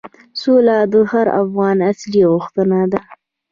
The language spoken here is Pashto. سوله د هر افغان اصلي غوښتنه ده.